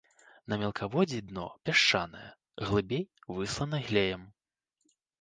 На мелкаводдзі дно пясчанае, глыбей выслана глеем.